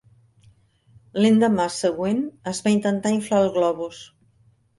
L'endemà següent, es va intentar inflar el globus.